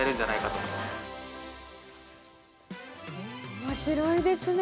おもしろいですね。